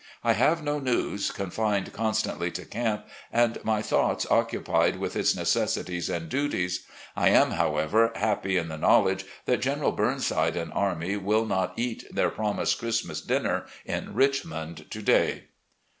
I have no news, confined constantly to camp, and my thoughts occupied with its necessities and duties. I am, however, happy in the knowledge that General Burnside and army will not eat their promised Christmas diimer in Richmond to day."